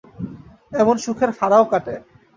এমন সুখের ফাঁড়াও কাটে।